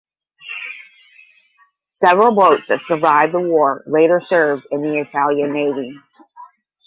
Several boats that survived the war later served in the Italian Navy.